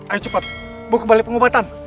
ayo cepat buka kembali pengobatan